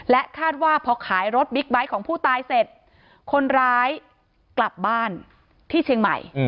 คาดว่าพอขายรถบิ๊กไบท์ของผู้ตายเสร็จคนร้ายกลับบ้านที่เชียงใหม่